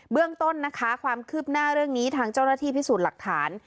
เรื่องต้นนะคะความคืบหน้าเรื่องนี้ทางเจ้าหน้าที่พิสูจน์หลักฐาน